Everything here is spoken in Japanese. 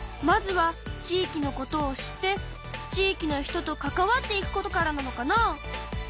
まずは地域のことを知って地域の人と関わっていくことからなのかな。